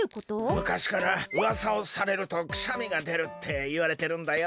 むかしからうわさをされるとくしゃみがでるっていわれてるんだよ。